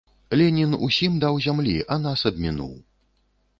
Ленін усім даў зямлі, а нас абмінуў.